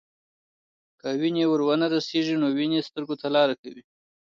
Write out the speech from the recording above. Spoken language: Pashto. که وینې ور ونه رسیږي، نو وینې سترګو ته لارې کوي.